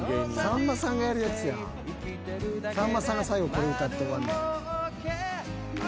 さんまさんが最後これ歌って終わんねん。